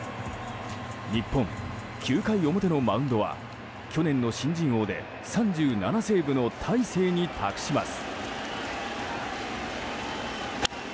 日本、９回表のマウンドは去年の新人王で３７セーブの大勢に託します。